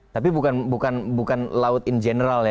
tapi bukan laut in general ya